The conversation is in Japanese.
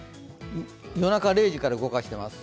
夜中０時から動かしています。